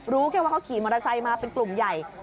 รู้แค่ว่าเขาขี่มอเตอร์ไซค์มาเป็นกลุ่มใหญ่